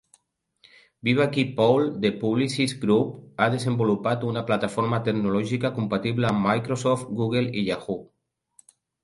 Vivaki pole de Publicis Groupe ha desenvolupat una plataforma tecnològica compatible amb Microsoft, Google i Yahoo!